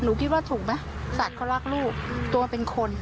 หนูคิดว่าถูกมั้ยสัตวก็รักลูกตัวเป็นคนอ่ะ